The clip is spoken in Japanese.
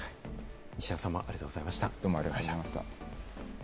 西山さんもありがとうございました。